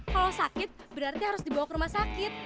kalau sakit berarti harus dibawa ke rumah sakit